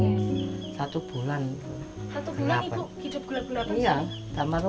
ketika berada di rumah ibu mengalami kematian